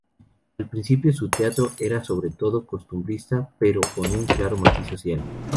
Al principio su teatro era sobre todo costumbrista, pero con un claro matiz social.